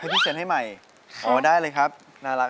พี่เซ็นให้ใหม่อ๋อได้เลยครับน่ารัก